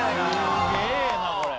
すげぇなこれ。